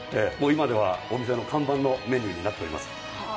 今ではお店の看板メニューとなっています。